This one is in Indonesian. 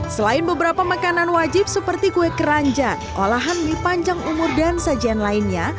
selain beberapa makanan wajib seperti kue keranjang olahan mie panjang umur dan sajian lainnya